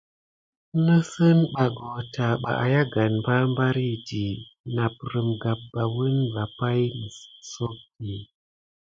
Nisiba hotaba ayangane barbardi naprime gaban wune vapay mikesodi.